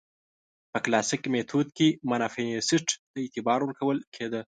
په کلاسیک میتود کې مانیفیست ته اعتبار ورکول کېده.